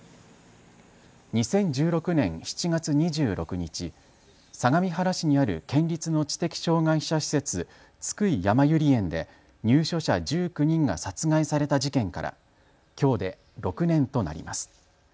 ２０１６年７月２６日、相模原市にある県立の知的障害者施設津久井やまゆり園で入所者１９人が殺害された事件からきょうで６年となります。